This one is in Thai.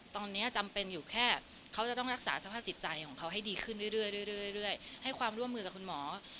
ตอนนี้จำเป็นอยู่แค่เขาจะต้องรักษาสภาพจิตใจของเขาให้ดีขึ้นเรื่อยให้ความร่วมมือกับคุณหมอ